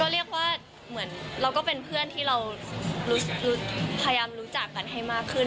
เรียกว่าเหมือนเราก็เป็นเพื่อนที่เราพยายามรู้จักกันให้มากขึ้น